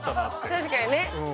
確かにね。